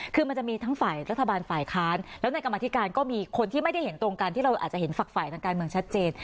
คือมันจะมีทั้งฝ่ายรัฐบาลฝ่ายค้านแล้วในกรรมธิการก็มีคนที่ไม่ได้เห็นตรงกันที่เราอาจจะเห็นฝักฝ่ายทางการเมืองชัดเจน